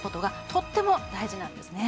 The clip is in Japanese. とっても大事なんですね